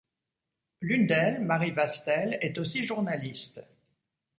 L'une d'elles, Marie Vastel, est aussi journaliste.